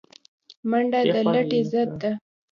منډه د لټۍ ضد ده